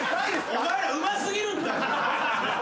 お前らうますぎるんだ。